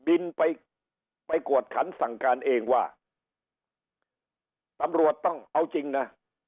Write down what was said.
บินไปไปกวดขันสั่งการเองว่าตำรวจต้องเอาจริงนะ